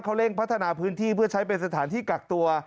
เขาเร่งพัฒนาพื้นที่เพื่อใช้เป็นสถานที่กักตัว